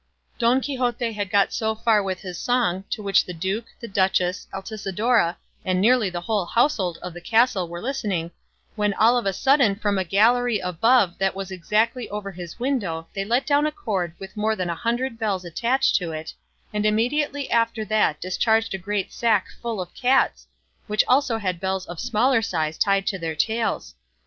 Don Quixote had got so far with his song, to which the duke, the duchess, Altisidora, and nearly the whole household of the castle were listening, when all of a sudden from a gallery above that was exactly over his window they let down a cord with more than a hundred bells attached to it, and immediately after that discharged a great sack full of cats, which also had bells of smaller size tied to their tails.